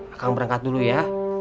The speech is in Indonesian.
akang berangkat dulu ya